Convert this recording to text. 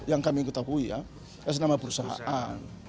yang kami ketahui ya itu nama perusahaan